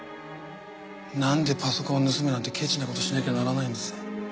なんでパソコンを盗むなんてケチな事しなきゃならないんです？